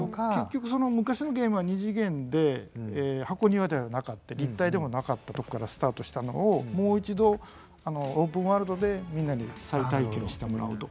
結局昔のゲームは二次元で箱庭ではなかった立体でもなかったとこからスタートしたのをもう一度オープンワールドでみんなに再体験してもらうと。